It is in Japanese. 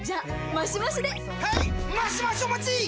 マシマシお待ちっ！！